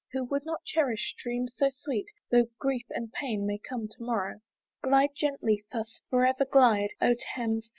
Who would not cherish dreams so sweet, Though grief and pain may come to morrow? Glide gently, thus for ever glide, O Thames!